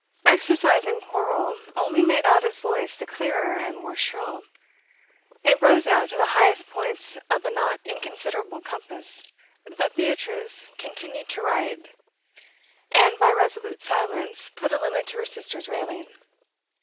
Exercise in quarrel only made Ada's voice the clearer and more shrill. It rose now to the highest points of a not inconsiderable compass. But Beatrice continued to write, and by resolute silence put a limit to her sister's railing.